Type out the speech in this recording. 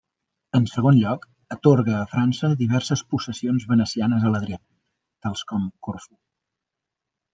En segon lloc, atorga a França diverses possessions venecianes a l'Adriàtic, tals com Corfú.